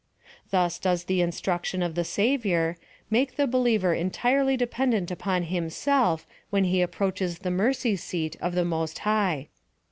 Tims does the instruction of the Savior, make the believer entirely dependent upon Himself when he approaches the mercy seat of the Most High.